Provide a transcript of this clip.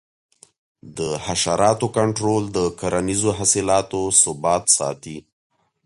د حشراتو کنټرول د کرنیزو حاصلاتو ثبات ساتي.